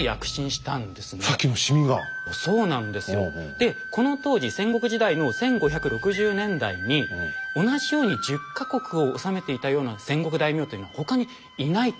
でこの当時戦国時代の１５６０年代に同じように１０か国を治めていたような戦国大名というのは他にいないと。